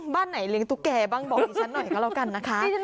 บ้านไหนเลี้ยงตุ๊กแกบ้างบอกดิฉันหน่อยก็แล้วกันนะคะ